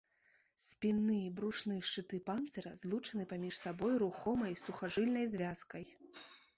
Спінны і брушны шчыты панцыра злучаны паміж сабой рухомай сухажыльнай звязкай.